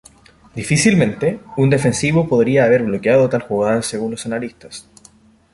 Difícilmente un defensivo podría haber bloqueado tal jugada según los analistas.